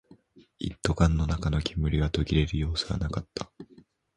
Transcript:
一斗缶の中の煙は途切れる様子はなかった